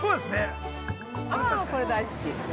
◆あー、これ大好き。